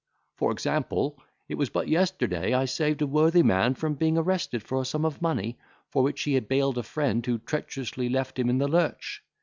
For example, it was but yesterday I saved a worthy man from being arrested for a sum of money, for which he had bailed a friend who treacherously left him in the lurch.